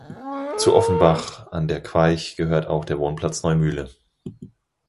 Zu Offenbach an der Queich gehört auch der Wohnplatz Neumühle.